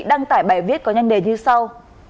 đăng tải bài viết có nhân đề như sau